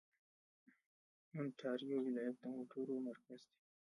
اونټاریو ولایت د موټرو مرکز دی.